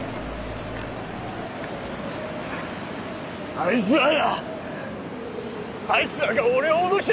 あいつらがあいつらが俺を脅したんだ！